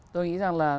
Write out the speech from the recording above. tôi nghĩ rằng là